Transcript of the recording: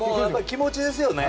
気持ちですよね。